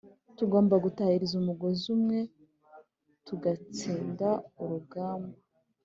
Tugomba gutahiriza umugozi umwe tugatsinda urugamba